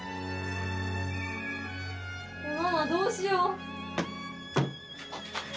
ママどうしよう。